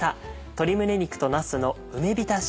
「鶏胸肉となすの梅びたし」。